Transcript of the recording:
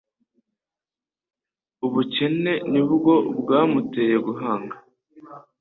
Ubukene ni bwo bwamuteye guhanga.